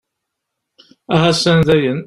Ahasan dayen!